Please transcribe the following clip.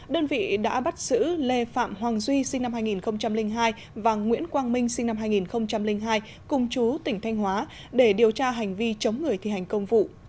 đơn vị đã bắt giữ lê phạm hoàng duy sinh năm hai nghìn hai và nguyễn quang minh sinh năm hai nghìn hai cùng chú tỉnh thanh hóa để điều tra hành vi chống người thi hành công vụ